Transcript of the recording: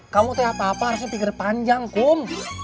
kamu tuh apa apa harusnya pikir panjang kum